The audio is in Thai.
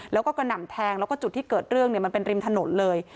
แล้วก็กระหน่ำแทงแล้วก็จุดที่เกิดเรื่องเนี่ยมันเป็นริมถนนเลย